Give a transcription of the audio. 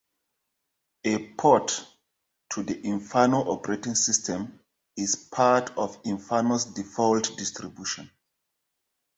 A port to the Inferno operating system is part of Inferno's default distribution.